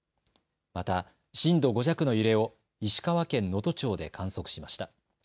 また震度５弱の揺れを石川県能登町で観測しました。